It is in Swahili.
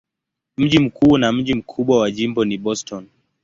Mji mkuu na mji mkubwa wa jimbo ni Boston.